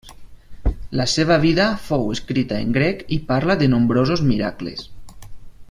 La seva vida fou escrita en grec i parla de nombrosos miracles.